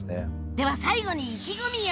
では最後に意気込みを！